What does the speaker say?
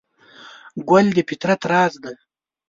ګل د فطرت راز دی.